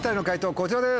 こちらです。